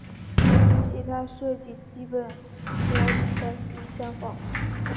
其他设计基本和前级相仿。